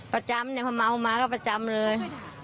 ประจำเนี่ยพอเมามาก็ประจำเลย